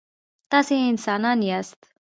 تاسي انسانان یاست.